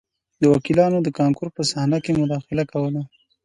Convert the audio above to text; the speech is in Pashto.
وکیلانو د کانکور په صحنه کې مداخله کوله